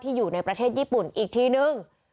อยู่ในประเทศญี่ปุ่นอีกทีนึง